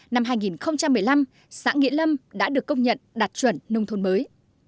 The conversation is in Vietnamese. năm hai nghìn một mươi năm xã nghĩa lâm đã được công nhận đạt chuẩn nông thôn mới